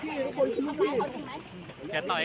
ตัวอาวุธขาตัวอาวโภตรา